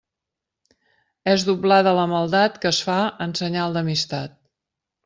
És doblada la maldat que es fa en senyal d'amistat.